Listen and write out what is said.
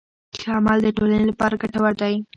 ښه عمل د ټولنې لپاره ګټور دی.